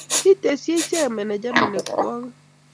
kitesyi ichek meneja melekwokik